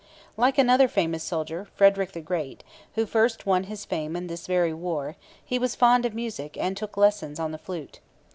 Like another famous soldier, Frederick the Great, who first won his fame in this very war, he was fond of music and took lessons on the flute.